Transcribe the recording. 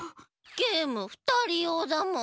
ゲームふたりようだもん。